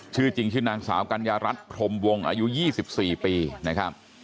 ชื่อจริงชื่อนางสาวกัญญารัฐพรมวงอายุ๒๔ปีนะครับ